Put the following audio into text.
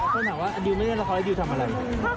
คนถามว่าดิวไม่ได้ละครให้ดิวทำอะไร